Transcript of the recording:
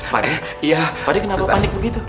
pak fari kenapa panik begitu